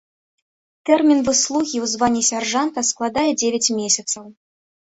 Тэрмін выслугі ў званні сяржант складае дзевяць месяцаў.